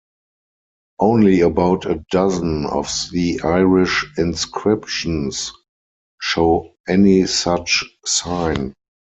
Only about a dozen of the Irish inscriptions show any such sign.